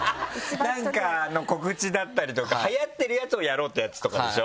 何かの告知だったりとかはやってるやつをやろうってやつとかでしょ？